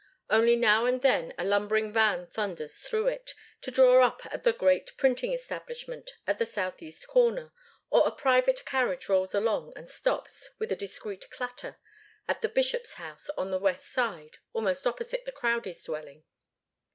Only now and then a lumbering van thunders through it, to draw up at the great printing establishment at the southeast corner, or a private carriage rolls along and stops, with a discreet clatter, at the Bishop's House, on the west side, almost opposite the Crowdies' dwelling.